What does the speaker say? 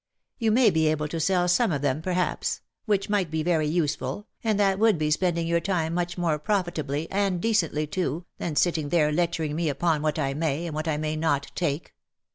You may be able to sell some of them perhaps, which might be very useful, and that would be spending your time much more profitably, and decently too, than sitting there lecturing me upon what I may, and what I may not take.